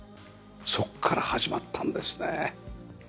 そこから始まったんですね。